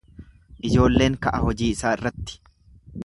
Ijoolleen ka'a hojii isaa irratti.